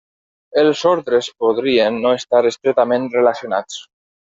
Els ordres podrien no estar estretament relacionats.